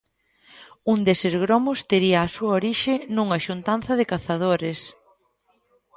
Un deses gromos tería a súa orixe nunha xuntanza de cazadores.